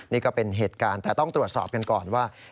นี่ก็เป็นเหตุการณ์แต่ต้องตรวจสอบกันก่อนว่า